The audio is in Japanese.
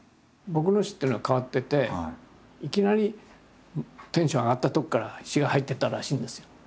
僕の詩っていうのは変わってていきなりテンション上がったとこから詩が入ってったらしいんですよ。